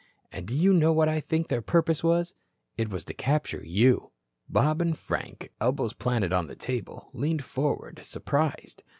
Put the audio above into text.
And do you know what I think their purpose was? It was to capture you." Bob and Frank, elbows planted on the table, leaned forward surprised. Mr.